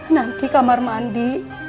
nanti kamar mandi